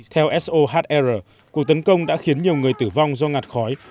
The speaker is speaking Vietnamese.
theo so hard error cuộc tấn công đã khiến nhiều người tử vong do ngạt khói